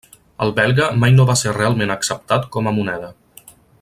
El belga mai no va ser realment acceptat com a moneda.